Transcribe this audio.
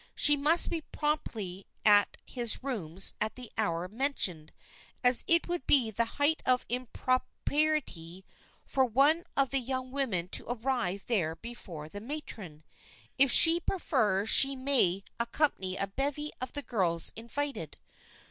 She must be promptly at his rooms at the hour mentioned, as it would be the height of impropriety for one of the young women to arrive there before the matron. If she prefer she may accompany a bevy of the girls invited.